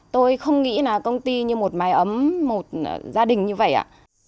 tôi không nghĩ là công ty như một mái ấm một gia đình như vậy ạ